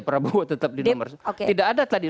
prabowo tetap di nomor satu tidak ada tadi